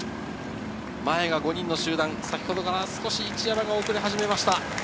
前が５人の集団、先ほどから一山が少し遅れ始めました。